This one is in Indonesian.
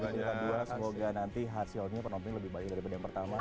semoga nanti hasilnya penonton lebih baik daripada yang pertama